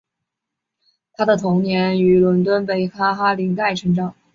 她童年于伦敦北部哈林盖成长。